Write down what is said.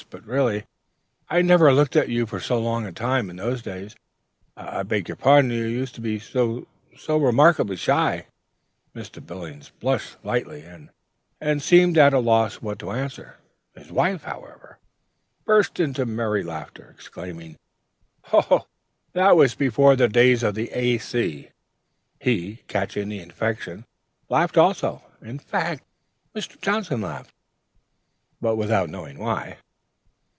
But really, I never looked at you for so long a time, in those days. I beg pardon; you used to be so so remarkably shy." Mr. Billings blushed slightly, and seemed at a loss what to answer. His wife, however, burst into a merry laugh, exclaiming: "Oh, that was before the days of the A.C.!" He, catching the infection, laughed also; in fact, Mr. Johnson laughed, but without knowing why.